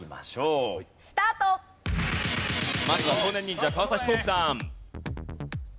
まずは少年忍者川皇輝さん。